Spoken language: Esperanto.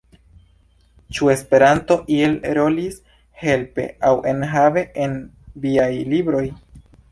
Ĉu Esperanto iel rolis helpe aŭ enhave en viaj libroj?